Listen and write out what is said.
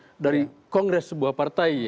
mengikirkan dari kongres sebuah partai ya